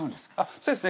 そうですね